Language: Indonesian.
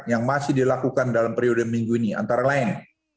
yang masih dilakukan dalam periode minggu ini antara lain